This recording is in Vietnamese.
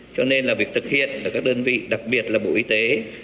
cho nên là việc thực hiện ở các đơn vị đặc biệt là bộ y tế